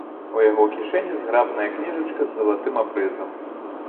У яго кішэні зграбная кніжачка з залатым абрэзам.